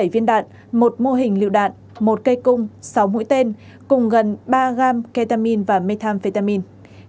năm mươi bảy viên đạn một mô hình liệu đạn một cây cung sáu mũi tên cùng gần ba gam ketamin và methamphetamine